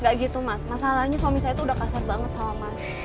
gak gitu mas masalahnya suami saya itu udah kasar banget sama mas